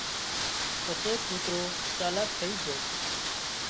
پسي ڪوترو چالاڪ ٿئي جھو